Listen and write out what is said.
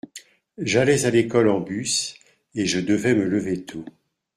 J’allais à l’école en bus et je devais me lever tôt.